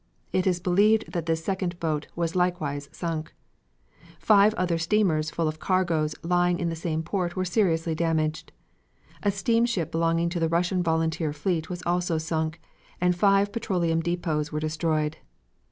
It is believed that this second boat was likewise sunk. Five other steamers full of cargoes lying in the same port were seriously damaged. A steamship belonging to the Russian volunteer fleet was also sunk, and five petroleum depots were destroyed.